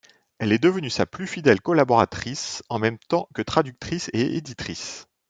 Elle est devenue sa plus fidèle collaboratrice, en même temps que traductrice et éditrice.